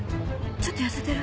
ちょっと痩せてる。